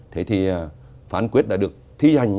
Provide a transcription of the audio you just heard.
thế thì phán quyết đã được thi hành